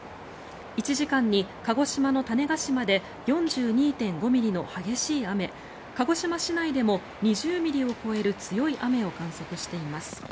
１時間に鹿児島の種子島で４２．５ミリの激しい雨鹿児島市内でも２０ミリを超える強い雨を観測しています。